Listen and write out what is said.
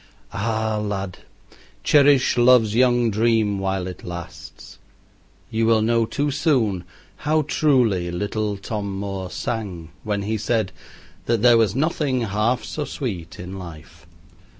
Ah, lad, cherish love's young dream while it lasts! You will know too soon how truly little Tom Moore sang when he said that there was nothing half so sweet in life.